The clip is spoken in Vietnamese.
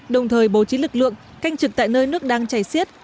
đồng thời bố trí lực lượng canh trực tại nơi nước đang chảy xiết